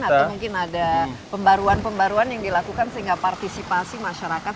atau mungkin ada pembaruan pembaruan yang dilakukan sehingga partisipasi masyarakat